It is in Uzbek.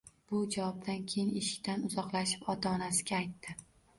Bu javobdan keyin eshikdan uzoqlashib ota-onasiga aytdi.